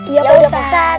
iya pak ustadz